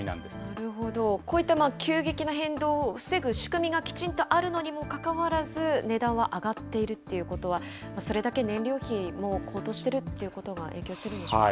こういった急激な変動を防ぐ仕組みがきちんとあるのにもかかわらず、値段は上がっているということは、それだけ燃料費、もう高騰してるっていうことが影響しているんでしょうか。